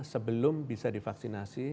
sebelum bisa divaksinasi